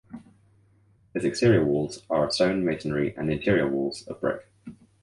Its exterior walls are of stone masonry and interior walls of brick.